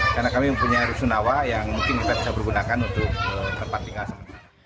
karena kami mempunyai resu nawah yang mungkin kita bisa bergunakan untuk tempat tinggal